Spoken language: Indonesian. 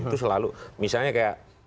itu selalu misalnya kayak penyerbuan alam